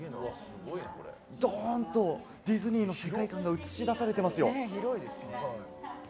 ドンっとディズニーの世界観が映し出されてますよ。